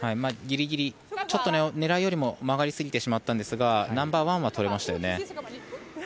ギリギリ、狙いよりも曲がりすぎてしまったんですがナンバーワンは取れましたよね。